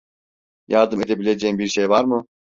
Yardım edebileceğim bir şey var mı?